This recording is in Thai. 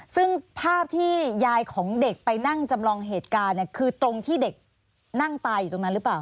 ซึ่งภาพที่ยายของเด็กไปนั่งจำลองเหตุการณ์คือตรงที่เด็กนั่งตายอยู่ตรงนั้นหรือเปล่า